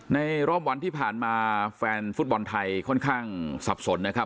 ในรอบวันที่ผ่านมาแฟนฟุตบอลไทยค่อนข้างสับสนนะครับ